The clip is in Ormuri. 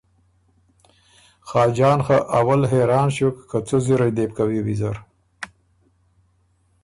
خاجان خه اول حېران ݭیوک که څۀ زِرئ دې بو کوی ویزر،